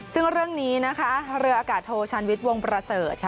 ซึ่งเรื่องนี้นะคะเรืออากาศโทชันวิทย์วงประเสริฐค่ะ